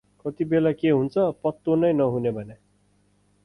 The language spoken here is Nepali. कति बेला के हुन्छ पत्तो नै नहुने भन्या।